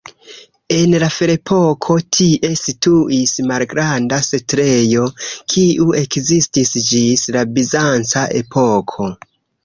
En la Ferepoko tie situis malgranda setlejo, kiu ekzistis ĝis la bizanca epoko.